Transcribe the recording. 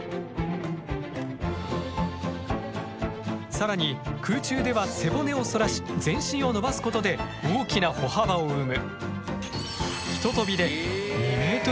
更に空中では背骨を反らし全身を伸ばすことで大きな歩幅を生む。